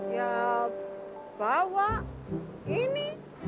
ya bawa ini